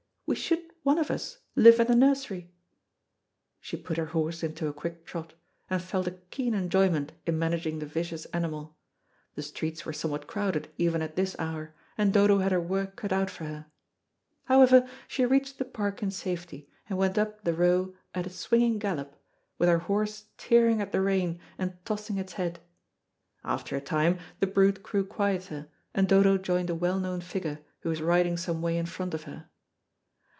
"We should one of us, live in the nursery." She put her horse into a quick trot, and felt a keen enjoyment in managing the vicious animal. The streets were somewhat crowded even at this hour, and Dodo had her work cut out for her. However, she reached the Park in safety, and went up the Row at a swinging gallop, with her horse tearing at the rein and tossing its head. After a time the brute grew quieter, and Dodo joined a well known figure who was riding some way in front of her.